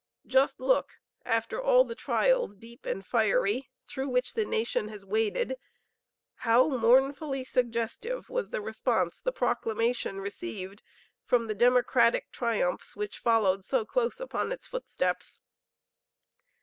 Just look, after all the trials deep and fiery through which the nation has waded, how mournfully suggestive was the response the proclamation received from the democratic triumphs which followed so close upon its footsteps.